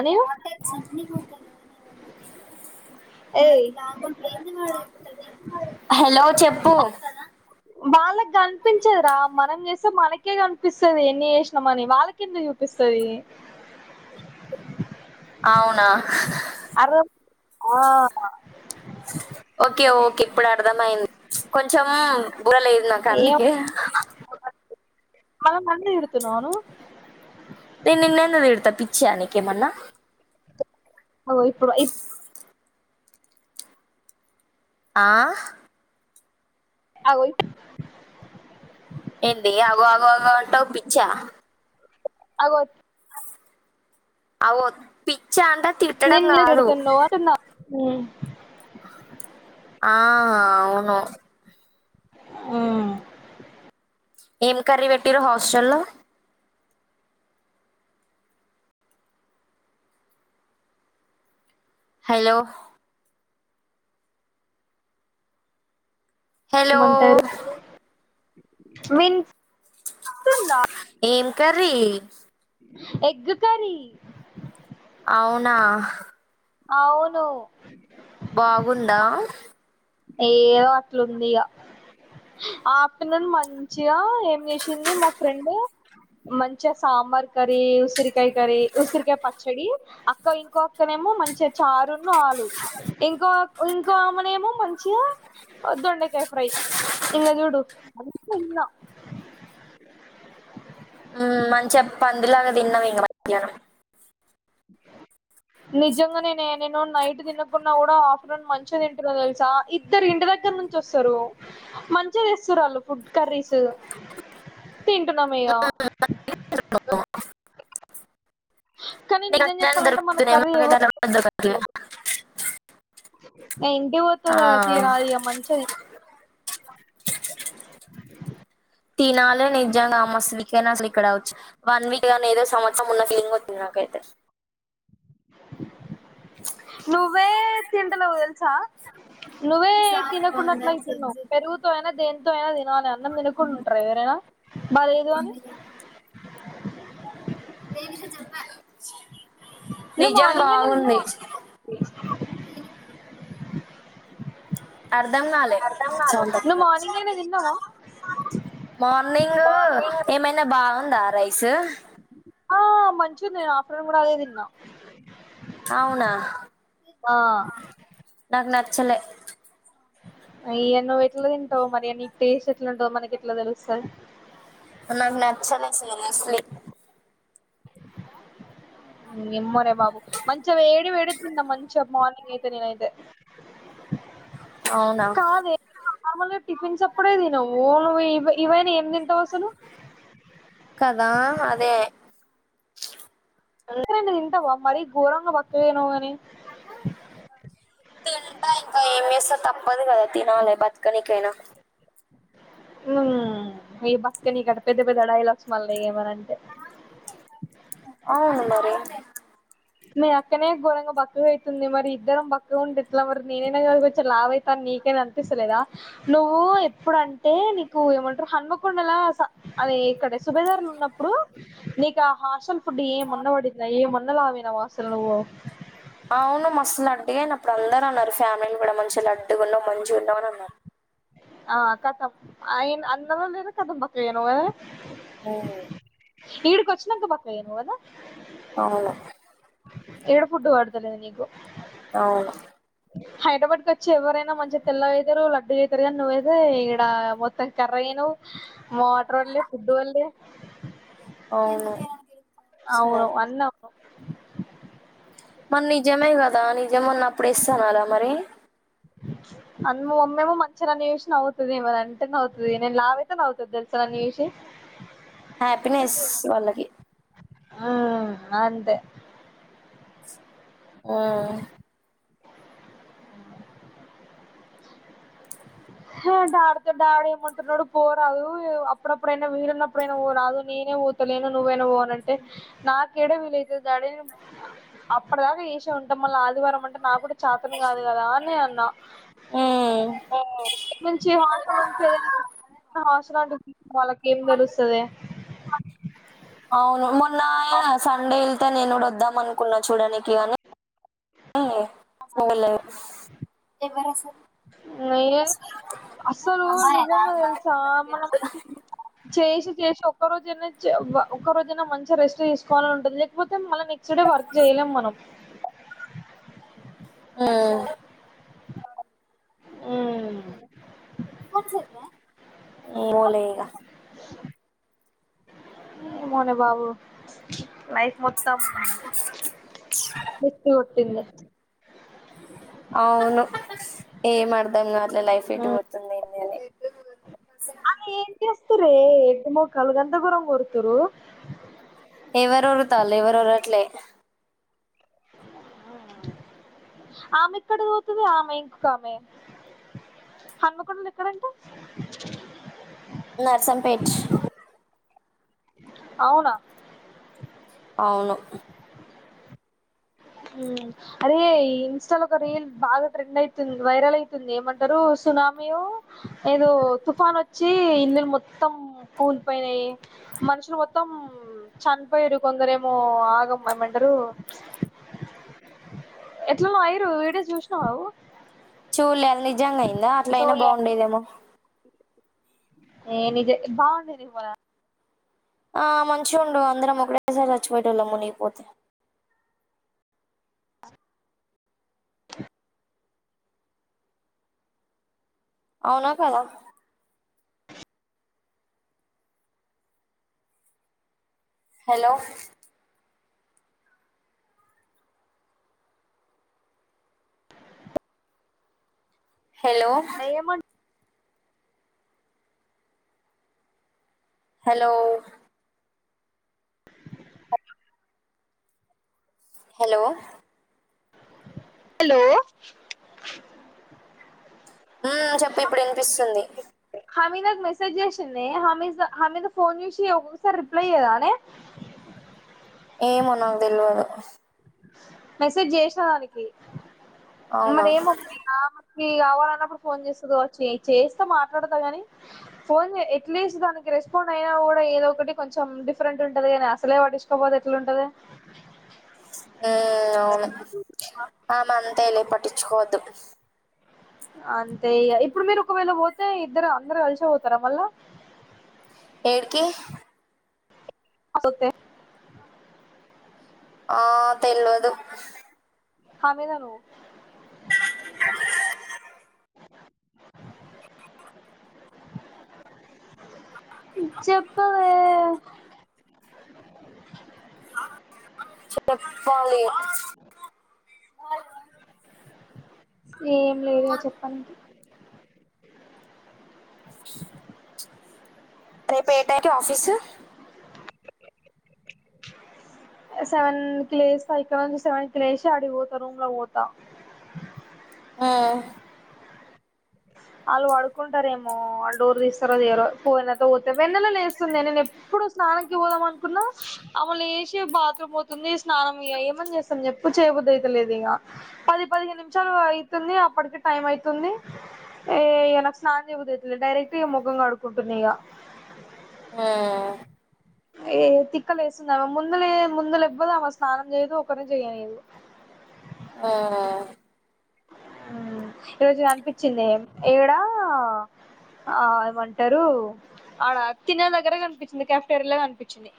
అని హాటేక్స్ అన్ని [unintelligible] ఏయ్ వాడికి లాభం లేంది వాడు విల్తడా నను హలో చెప్పు వాళ్ళకి కనిపించరా మనం చేస్తే మనకే కనిపిస్తుంది ఎన్ని చేసినామని వాళ్ళకి ఎందుకు చూపిస్తాది ఆ అర్థం ఆ ఓకే ఓకే ఇప్పుడు అర్థమయింది కొంచం కూడా లేదు నాకు అందుకే మన మంద ఎడుతున అను [inaudible] నేను నిన్నెందుకు తిడతా పిచ్చా నీకేమన్నా అఓ ఇప్పుడు ఇ ఆ అవయి ఏంది అగొ అగొ అగొ అంటావ్ పిచ్చ ఆగత్ అవో పిచ్చ అంట తిట్టడం నిన్ను కాదు తిడుతున్నావు అంటున్నా ఉమ్ ఆ అవును ఉమ్ ఏం కర్రీ పెట్టిరు హాస్టల్ లో హలో హలో విన్ ఏం కర్రీ ఎగ్ కర్రీ అవునా అవును బాగుందా ఏయో అట్లుంది ఇక ఆఫ్టర్నూన్ మంచిగా ఏం చేసింది మా ఫ్రెండ్ మంచిగా సాంబార్ కర్రీ ఉసిరికాయ కర్రీ ఉసిరికాయ పచ్చడి అక్క ఇంకో అక్కనే మంచిగా చారున్న ఆలు ఇంకో ఇంకో ఆమెనేమో మంచి దొండకాయ ఫ్రై ఇంగ చూడు [inaudible] తిన్న ఇగ మధ్యాహ్నం [inaudible] నిజంగా నేనే నేను నైట్ తినకున్న కూడా ఆఫ్టర్నూన్ మంచిగా తింటున్న తెలుసా ఇద్దరు ఇంటి దగ్గర నుంచి వస్తారు మంచిగా తెస్తురు వాళ్ళు ఫుడ్ కర్రీస్ తింటున్నమిగా కానీ నిజం దొరుకుతదని చెప్పాలంటే మన దొరకుతనేమో కర్రీ ఎవరు ఒకవేళ [unintelligible] ఆ ఇంటికి పోతా కదా ఇగ తినాలి మంచిగ తినాలే నిజంగా అ మస్తు వీక్ అయిన అసలు ఇక్కడచ్చి వన్ వీక్ గానీ ఏదో సంవత్సరం ఉన్న ఫీలింగ్ వచ్చంది నాకై వెదర్ నువ్వే తింటనావు తెలుసా నువ్వే తినకుండ అట్లేతున్నావ్ పెరుగుతో అయినా దేనితో అయినా తినాలి అన్నం తినకుండా ఉంటారా ఎవరైనా బాలేదు అని [inaudible] నువ్ నిజం మార్నింగ్ అన్ని బాగుంది తిన్నావ అర్ధం కాలే సౌండ్ నువ్వు తక్కువచ్చి మార్నింగ్ అయినా తిన్నావా మార్నింగ్ మార్నింగ్ ఏమైనా బాగుందా రైస్ ఆ మంచిగుంది నేను ఆఫ్టర్నూన్ కూడా అదే తిన్న అవునా ఆ నాకు నచ్చలే అ ఇయ నువ్వు ఎట్లా తింటావు మరి అ నీ టేస్ట్ ఎట్లా ఉంటదొ మనకి ఎట్లా తెలుస్తది నాకు నచ్చలే సీనూ స్లి ఏమోరే బాబు మంచిగా వేడి వేడి తిన్నా మంచిగా మార్నింగ్ అయితే నేనైతే అవునా కాదే నార్మల్గా టిఫిన్స్ అప్పుడే తినవు నువ్వు ఇ ఇవైనా ఏం తింటవు అసలు కదా అదే అందుకనే తింటావా మరీ ఘోరంగా బక్కగా అయినవు గని తింటా ఇంకా ఏం చేస్తా తప్పదు గదా తినాలి బతకనికైనా ఊ ఈ బత్కనికట పెద్ద పెద్ద డైలాగ్స్ మళ్ళీ ఏమన్న అంటే ఆవును మరి మీ అక్కనే గోరంగా బక్కగ అయితుంది మరి ఇద్దరం బక్కగా ఉంటే ఎట్లా మరి నేనైనా గాని కొంచం లావు అయిత నీకైనా అనిపిస్తలేదా నువ్వు ఎప్పుడంటే నీకు ఏమంటరు హన్మకొండలా అది ఇక్కడే సుభేదారుల ఉన్నప్పుడు నీకు హాస్టల్ ఫుడ్ ఏ మన్న పడింద ఏ మున్నదామె వా అసలు నువ్వు అవును మస్తు లడ్డుగా అయిన అప్పుడు అందరూ అన్నారు ఫ్యామిలీ కూడా మంచి లడ్డుగా ఉండవు మంచిగా ఉన్నావు అని అన్నారు ఆ కథమ్ అయి అన్నదోలేదో కథమ్ బక్కగా అయినావు కదా ఉ ఈడ్కి వచ్చినక బక్కగా అయినావు గదా అవును ఎడ ఫుడ్డు పడుతలేదు నీకు అవును హైదరాబాద్ కి వచ్చి ఎవరైనా మంచి తెల్లగ అయితరు లడ్డు ఇ సరె గాని నువ్వైతే ఈడ మొత్తం కర్రగైనవ్ మోటార్ పడ్లే ఫుడ్ పడ్లే అవును సరే అవును అన్న మరి నిజమే గదా నిజమన్నప్పుడు ఎస్ అనరా మరి అన్, మా మమ్మీ ఏమో మంచిగా నన్ను జూసి నవ్వుతది. ఏమనంటే నవ్వుతది. నేను లావైతే నవ్వుతది, తెలుసా? నన్ను జూసి. హ్యాపీనెస్! వాళ్లకి. ఆ అంటే! ఆ హా డాడ డాడేమంటన్నడు పోరాదు అప్పుడు అప్పుడు వీలున్నప్పుడైనా పోరాదు నీ నేనే పోతలేను నువ్వైనా పో అంటే నాక్ క్కేడ వీలైతది దాడీ అప్పటి దాకా చేసే ఉంటాం మళ్ళీ ఆదివారం అంటే నా గూడా చతను గాదు గదా అనే అన్నా హ్మ్ ఓ నుంచి హాసలుంచి ఏదైన అవస్ వాళ్ళకి ఏం తెలుస్తదే అవును మొన్న సండే ఇల్త నేనుగుడ వద్దా మన్ కున్నా చూడనికివని [unintelligible] స్ ఎవరస ఏ అస్సలు నిజంగా తెలుసా మనక్ చేసి చేసి ఒక్క రోజైనా అవ్వ రోజైనా మంచిగ రెస్ట్ చేసుకోవాలని ఉంటది లేకపోతే మళ్ళీ నెక్స్ట్ డే వర్క్ చేయలేం మనం ఆ ఏమోలే ఇగ ఏమోనే బాబు ప్ల్చ్ నైట్ మొత్తం సుత్తి కొట్టింది అవును స్ ఏం అర్థం కావటలే లైఫ్ ఎటుపోతుంది ఏందని త్తురే ఎడ్ మొ కల గంధ గురం గొడుతురు ఎవరు ఉరుతాల్లె ఎవరు ఉరవట్లే ఆమె ఏక్కడ వోతది, ఆమె ఇంకొక ఆమె. హన్మకొండల ఎక్కడంటే నర్సంపేట్. అవునా? అవును. ఉమ్ అరేయ్, ఇన్‌స్టాలో ఒక రీల్ బాగా ట్రెండ్ అయితుంది, వైరల్ అయితుంది ఏమంటరు? తునామీ వో ఏదో తుఫాన్ వచ్చి ఇల్లులు మొత్తం కూలిపోయ్నాయి మనుషులు మొత్తం చనిపోయిరు కొందరేమో ఆగం ఏమంటరు. ఎట్లనో అయ్యిరు, వీడియో చూసినవవు? చూల్లే, అది నిజంగా అయిందా? అట్ల అయినా బావుండేదేమో. ఏ నిదే బావుంది నిర్మల. ఆ మంచిఉండు, అందరం ఒకటేసారి చచ్చిపోయేటోలం మునిగిపోతే. [unintelligible] అవునా కదా? హలో! హలో! ఏమం హలో! హలో! హలో! ఆ.. చెప్పు ఇప్పుడు వినిపిస్తుంది? హమీ నాకు మెసేజ్ జేసిందే. హమీజ హమీద ఫోన్ జూసి ఒక్కసారి రిప్లై ఇయ్యదనే? [inaudible] ఏమో నాకు దెల్వదు. మెసేజ్ జేసిన దానికి, అవునా మరి ఏమో మరి ఆమెకు. ఈ కావాలన్నప్పుడు ఫోన్ చేస్తది కావచ్చు. ఏయ్ చేస్త మాట్లాడత గాని, ఫోన్ చే ఎట్లీస్ట్ దానికి. రెస్పాండ్ అయినా కూడా ఏదో ఒకటి కొంచెం డిఫరెంట్ ఉంటది కానీ అసలే పటించకోకపోతే ఎట్లుంటది ఉమ్మ్ అవును ఆమె అంతలె పటించుకోవద్దు అంతే ఇగ ఇప్పుడు మీరు ఒకవేళ ఓతే ఇద్దరు అందరు కలిసే ఓతారా మళ్ళ ఏడికి అసొత్తె ఆ తెల్వదు హమి గారు చెప్పవే చెప్పాలి ఏం లేదే చెప్పాలి రేపు ఏ టైమ్ కి ఆఫీసు [inaudible] సెవెన్ కి లేస్తా ఇక నుంచి సెవెన్ లేసి అడిపోత రూమ్ లో పోత [inaudible] ఉమ్మ్ ఆళ్ళు వడుకుంటారేమో ఆళ్ళు డోర్ తీస్తారో తియ్యరో ఫోన్ జెత్తవ్ వ వెన్నెల లెస్తుందే నేను ఎప్పుడు స్నానానికి పోదాం అనుకున్నా ఆమె లెసి బాత్రూమ్ పోతుంది స్నానం ఇగ ఏమన్ జేస్తామ్ జెప్పు చేయబుద్ది అయితలేదు ఇగ పది పదిహేను నిమిషాలు అయితుంది అప్పటికే టైమ్ అయితుంది ఏ ఇగ నాకు స్నానం చెయబుద్ది అయితలే డైరెక్ట్ ఇక ముఖం కడుక్కుంటున్న ఇగ ఉమ్మ్ ఏ తిక్కలేస్తుంది ఆమె ముందు లె ముందు లెవ్వదు స్నానం చేయదు ఒకరిని చేయనీదు [inaudible] ఆ ఈరోజు కనిపించింది ఏడా ఆ ఏమంటారు ఆడ తినే దగ్గర కనిపించింది కఫెటేరియా లొ కనిపించింది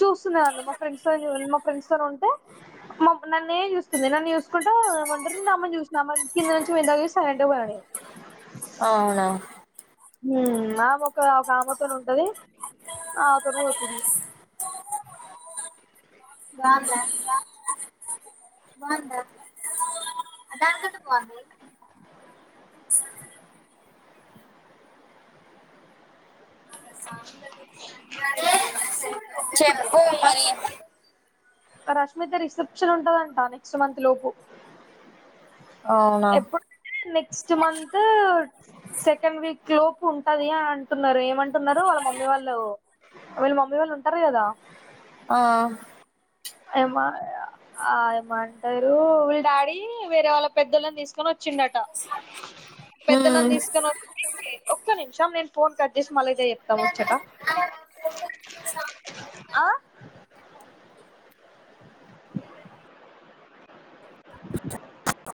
చూస్తున్నా నన్ను మా ఫ్రెండ్స్ తో మా ఫ్రెండ్స్ తోను ఉంటే నన్నే చూస్తుంది నన్ను చూసుకుంటూ అమ్మను చూసిన అమ్మను కింద నుంచి మీద దాక సైలెంట్ గా పొయినా నేను అవునా ఉ ఆమె ఒక ఒక ఆమెతోనే ఉంటది ఆమె తోనే పోతుంది బావుందా ఆ బావుందా దానికంటే బావుంది చెప్పు [unintelligible] మరి రష్మిత రిసెప్షన్ ఉంటదంట నెక్స్ట్ మంత్ లోపు అవునా ఎప్పుడంటే నెక్స్ట్ మంత్ సెకండ్ వీక్ లోపు ఉంటది అని అంటున్నారు ఏమంటున్నారు వాళ్ళ మమ్మీ వాళ్ళు వాళ్ళు మమ్మీ వాళ్ళు ఉంటారు కదా ఆ ఏమ ఆ ఏమ అంటారు వీళ్ల డాడీ వేరే వాళ్ళ పెద్దోళ్ళని తీసుకొని వ వచ్చిండట పెద్దలను హ్మ్ తీసుకొని వచ్చి ఒక్క నిమిషం నేను ఫోన్ కట్ జేసీ మల్ల ఇదే చేప్తా ముచ్చట ఆ [inaudible]